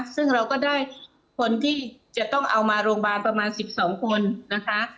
ซึ่งเราก็ได้คนที่จะต้องเอามาโรงพยาบาลประมาณ๑๒คนนะคะ